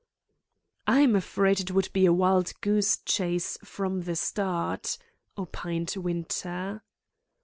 "I was afraid it would be a wild goose chase from the start," opined Winter.